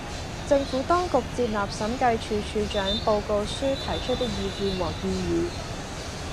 政府當局接納審計署署長報告書提出的意見和建議